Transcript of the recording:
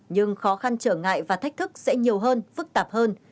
nhưng khó khăn trở ngại và thách thức sẽ nhiều hơn phức tạp hơn